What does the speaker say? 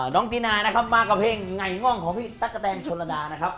ตีนานะครับมากับเพลงไงง่องของพี่ตั๊กกะแตนชนระดานะครับ